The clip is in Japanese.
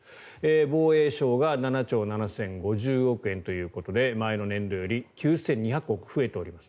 防衛省が７兆７０５０億円ということで前の年度より９２００億円増えております。